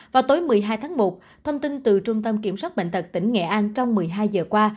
vào tối một mươi hai tháng một thông tin từ trung tâm kiểm soát bệnh tật tỉnh nghệ an trong một mươi hai giờ qua